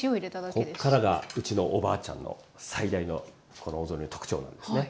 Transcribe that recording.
こっからがうちのおばあちゃんの最大のこのお雑煮の特徴なんですね。